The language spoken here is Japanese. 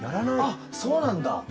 あっそうなんだ！